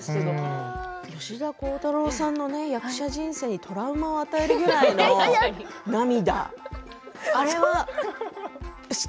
吉田鋼太郎さんの役者人生にトラウマを与えるぐらいの涙。